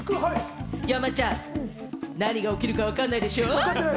山ちゃん、何が起きるかわかんないでしょう？